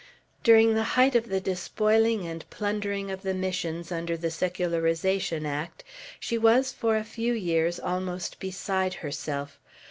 During the height of the despoiling and plundering of the Missions, under the Secularization Act, she was for a few years almost beside herself.